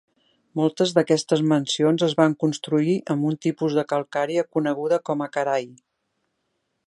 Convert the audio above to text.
Moltes d'aquestes mansions es van construir amb un tipus de calcària coneguda com a "karai".